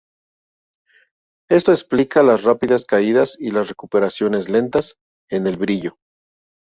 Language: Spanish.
Esto explica las rápidas caídas y las recuperaciones lentas en el brillo.